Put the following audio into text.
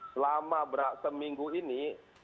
selama seminggu ini